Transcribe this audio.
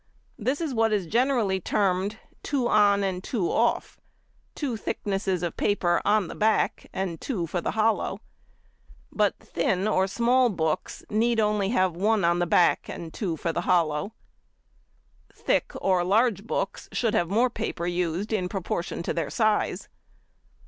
This is what is generally termed "two on and two off," being of course two thicknesses of paper on the back and two for the hollow; but thin or small books need only have one on the back and two for the hollow. Thick or large books should have more paper used in proportion to their size.